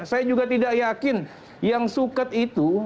saya juga tidak yakin yang suket itu